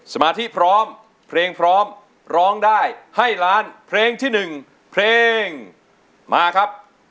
สมาธิพร้อมเพลงพร้อมร้องได้ให้ล้านเพลงที่๑เพลงมาครับ